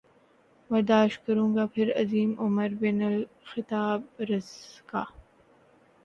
برداشت کروں گا پھر عظیم عمر بن الخطاب رض کا